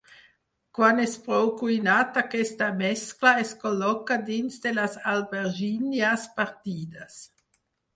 Quan és prou cuinat aquesta mescla es col·loca dins de les albergínies partides.